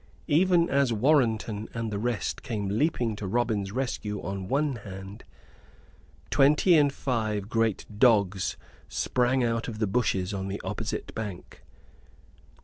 Even as Warrenton and the rest came leaping to Robin's rescue on one hand, twenty and five great dogs sprang out of the bushes on the opposite bank.